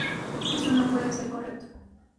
Esto no puede ser correcto".